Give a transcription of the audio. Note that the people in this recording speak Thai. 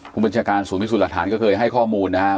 คุณบัญชาการศูนย์วิทยาศาสตร์หลักฐานก็เคยให้ข้อมูลนะครับ